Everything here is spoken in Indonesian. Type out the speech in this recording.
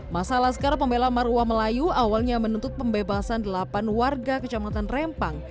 masalah skar pembela maruah melayu awalnya menuntut pembebasan delapan warga kecamatan rempang